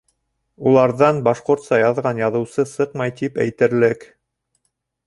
Уларҙан башҡортса яҙған яҙыусы сыҡмай тип әйтерлек.